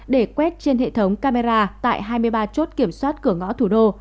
để quét trên hệ thống camera tại hai mươi ba chốt kiểm soát cửa ngõ thủ đô